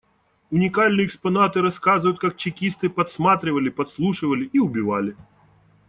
Уникальные экспонаты рассказывают, как чекисты подсматривали, подслушивали и убивали.